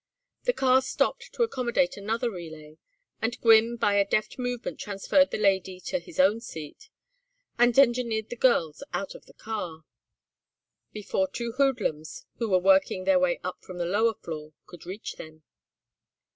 The car stopped to accommodate another relay, and Gwynne by a deft movement transferred the lady to his own seat, and engineered the girls out of the car, before two hoodlums, who were working their way up from the lower door, could reach them.